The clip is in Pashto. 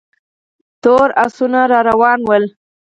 تور آسونه را روان ول.